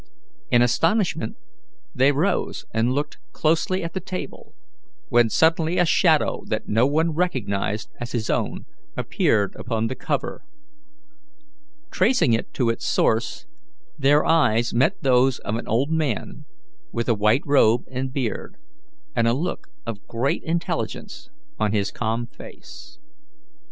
In astonishment, they rose and looked closely at the table, when suddenly a shadow that no one recognized as his own appeared upon the cover. Tracing it to its source, their eyes met those of an old man with a white robe and beard and a look of great intelligence on his calm face.